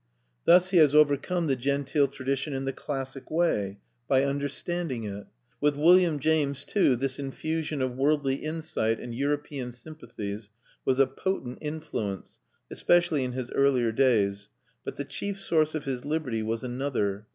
Thus he has overcome the genteel tradition in the classic way, by understanding it. With William James too this infusion of worldly insight and European sympathies was a potent influence, especially in his earlier days; but the chief source of his liberty was another.